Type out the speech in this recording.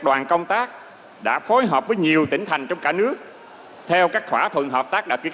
đoàn công tác đã phối hợp với nhiều tỉnh thành trong cả nước theo các thỏa thuận hợp tác đã ký